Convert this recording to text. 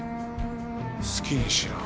好きにしろ。